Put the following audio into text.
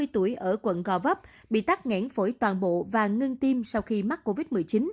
sáu mươi tuổi ở quận gò vấp bị tắt ngãn phổi toàn bộ và ngưng tim sau khi mắc covid một mươi chín